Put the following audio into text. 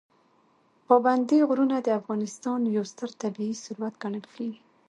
پابندي غرونه د افغانستان یو ستر طبعي ثروت ګڼل کېږي.